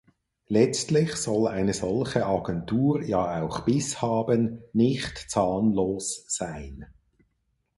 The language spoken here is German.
Letztlich soll eine solche Agentur ja auch Biss haben, nicht zahnlos sein.